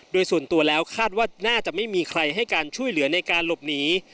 โดยส่วนตัวแล้วคาดว่าน่าจะไม่มีใครให้การช่วยเหลือในการหลบหนี